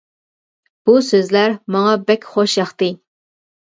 بۇ سۆزلەر ماڭا بەك خوش ياقتى.